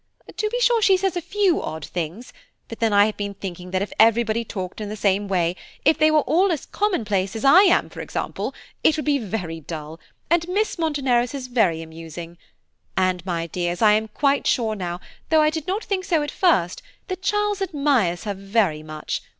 To be sure she says a few odd things, but then I have been thinking that if everybody talked in the same way, if they were all as commonplace as I am, for example, it would be very dull, and Miss Monteneros is very amusing; and, my dears, I am quite sure now, though I did not think so at first, that Charles admires her very much.